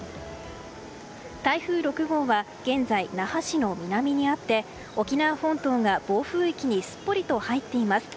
台風６号は現在、那覇市の南にあって沖縄本島が暴風域にすっぽりと入っています。